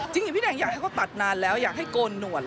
จริงพี่แหงอยากให้เขาตัดนานแล้วอยากให้โกนหนวด